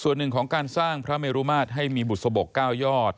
ส่วนหนึ่งของการสร้างพระเมรุมาตรให้มีบุษบก๙ยอด